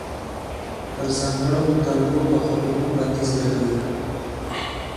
پر ځانګړو مطالبو او خبرونو بندیز لګوي.